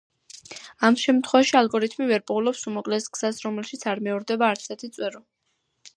ამ შემთხვევაში ალგორითმი ვერ პოულობს უმოკლეს გზას რომელშიც არ მეორდება არც ერთი წვერო.